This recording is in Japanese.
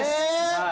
はい。